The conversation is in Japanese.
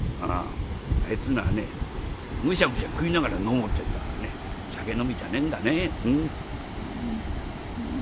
あいつのはねむしゃむしゃ食いながら飲もうってんだからね酒飲みじゃねえんだね」。